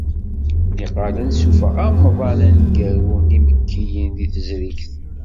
Niqal ad d-nessuffeɣ amḍan aneggaru n yimekkiyen deg tezrigt.